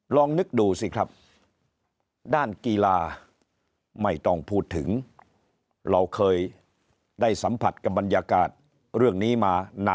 ลองนึกดูสิครับด้านกีฬาไม่ต้องพูดถึงเราเคยได้สัมผัสกับบรรยากาศเรื่องนี้มานาน